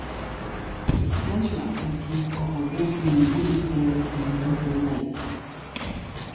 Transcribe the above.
Leisure activities offer walking in the wooded hills and the local lake.